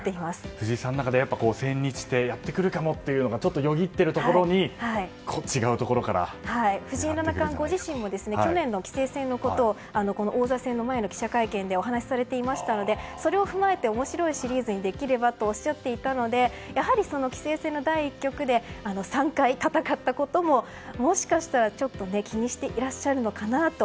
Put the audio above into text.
藤井さんだから千日手やってくるかもとちょっとよぎっているところに藤井七冠ご自身も去年の棋聖戦のことを王座戦の前の記者会見でお話しされていましたのでそれを踏まえて面白いシリーズにできればとおっしゃっていたのでやはり、棋聖戦の第１局で３回、戦ったことももしかしたら、ちょっと気にしていらっしゃるのかなと。